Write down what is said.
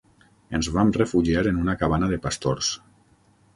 Ens vam refugiar en una cabana de pastors.